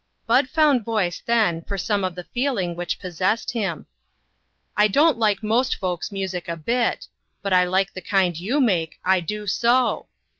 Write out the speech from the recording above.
Bud found voice then for some of the feeling which possessed him. " I don't like most folks' music a bit ; but I like the kind you make, I do so."